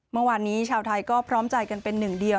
เมื่อวานนี้ชาวไทยก็พร้อมใจกันเป็นหนึ่งเดียว